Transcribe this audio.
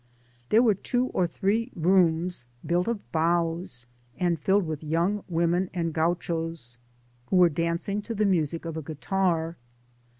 There were two or three rooms built of boughs, and filled with young womeii and Gauchos, who were dancing to the music of a guitar.